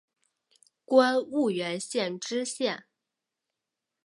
官婺源县知县。